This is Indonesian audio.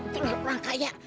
tunduk orang kaya